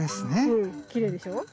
うんきれいでしょ？